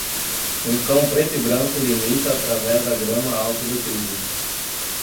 Um cão preto e branco limita através da grama alta do trigo.